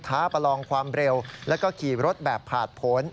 ประลองความเร็วแล้วก็ขี่รถแบบผ่านผล